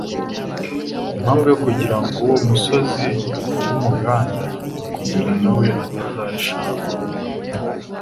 Impamvu yo kugira ngo ng’uwo umugozi w’umuganda, ni ukugirango nawe atazahisha urugo rwe,